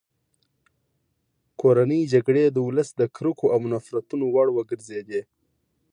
کورنۍ جګړې د ولس د کرکو او نفرتونو وړ وګرځېدې.